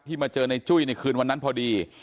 มาเจอในจุ้ยในคืนวันนั้นพอดี